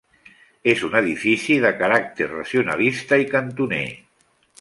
És un edifici de caràcter racionalista i cantoner.